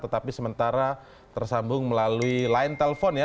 tetapi sementara tersambung melalui line telepon ya